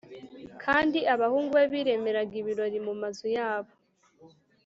kandi abahungu be biremeraga ibirori mu mazu yabo